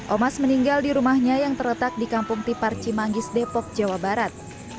omas meninggal di rumahnya yang terletak di kampung tipar cimanggis depok jawa barat